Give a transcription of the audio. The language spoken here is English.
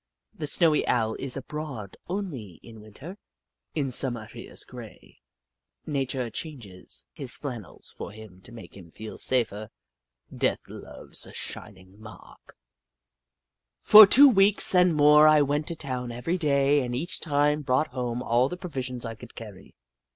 The Snowy Owl is abroad only in Winter — in Summer he is grey. Nature changes his flan 2IO The Book of Clever Beasts nels for him to make him feel safer. " Death loves a shininor mark." For two weeks and more I went to town every day, and each time brought home all the provisions I could carry.